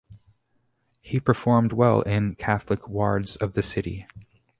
He performed well in Catholic wards of the city.